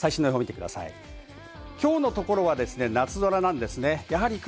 今日のところは夏空なんです。